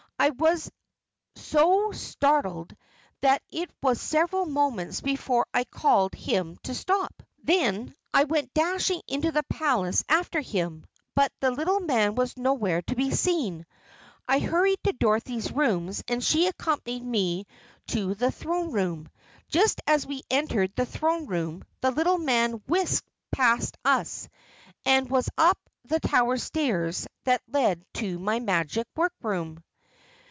I was so startled that it was several moments before I called to him to stop. Then I went dashing into the Palace after him. But the little man was nowhere to be seen. I hurried to Dorothy's rooms and she accompanied me to the throne room. Just as we entered the throne room, the little man whisked past us and was up the tower stairs that lead to my magic workroom."